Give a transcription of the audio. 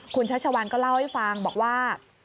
คุณชัชวัลก็เล่าให้ฟังบอกว่า